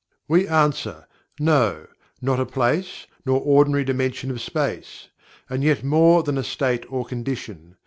We answer: "No, not a place, nor ordinary dimension of space; and yet more than a state or condition.